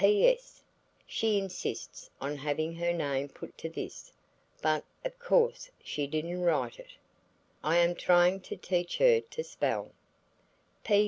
"PS.–She insists on having her name put to this, but of course she didn't write it. I am trying to teach her to spell."